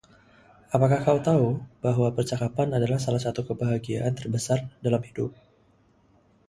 Apa kau tahu bahwa percakapan adalah salah satu kebahagiaan terbesar dalam hidup?